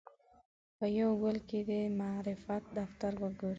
په یوه ګل کې دې د معرفت دفتر وګوري.